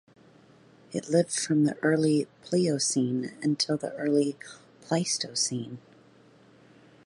It lived from the Early Pliocene until the Early Pleistocene.